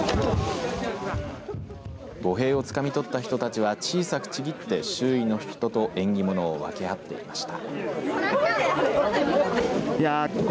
御幣をつかみ取った人たちは小さくちぎって周囲の人と縁起物を分け合っていました。